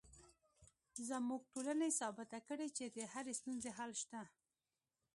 زموږ ټولنې ثابته کړې چې د هرې ستونزې حل شته